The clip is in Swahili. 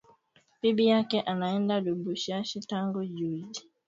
Bibi yake anaenda lubumbashi tangu juzi